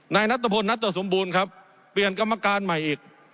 นายนัทพลนัตรสมบูรณ์ครับเปลี่ยนกรรมการใหม่อีก